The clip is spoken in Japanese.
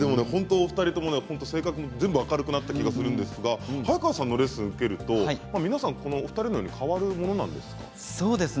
お二人とも性格も声も明るくなったと感じがするんですが早川さんのレッスンを受けると２人のように変わるんですか。